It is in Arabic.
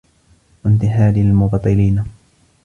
وَانْتِحَالَ الْمُبْطِلِينَ